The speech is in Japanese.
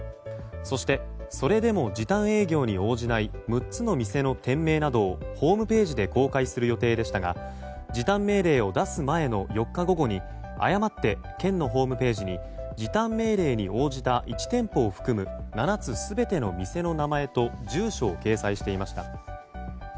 そして、それでも時短営業に応じない６つの店の店名などをホームページで公開する予定でしたが時短命令を出す前の４日午後に誤って県のホームページに時短命令に応じた１店舗を含む７つ全ての店の名前と住所を掲載していました。